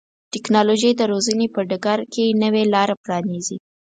ټکنالوژي د روزنې په ډګر کې نوې لارې پرانیزي.